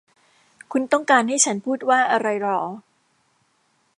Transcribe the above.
คุณต้องการให้ฉันพูดว่าอะไรหรอ